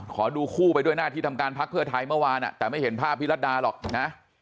ขอดูคู่ไปด้วยหน้าที่ทำการพักเพื่อไทยเมื่อวานแต่ไม่เห็นภาพพี่รัฐดาหรอกนะ